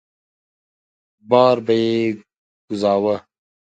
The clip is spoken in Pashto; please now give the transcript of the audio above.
بار به يې کوزاوه.